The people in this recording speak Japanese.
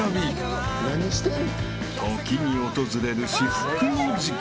［時に訪れる至福の時間］